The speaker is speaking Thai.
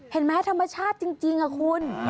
เห็นไหมธรรมชาติจริงคุณ